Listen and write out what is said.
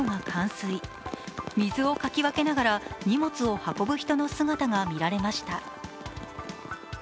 水をかき分けながら荷物を運ぶ人の姿が見られました。